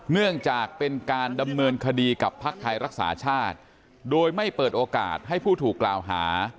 เป็นการดำเนินคดีกับภาคไทยรักษาชาตรโดยไม่เปิดโอกาสให้ผู้ถูกกล่าวหา